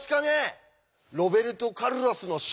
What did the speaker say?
ロベルト・カルロスのシュート。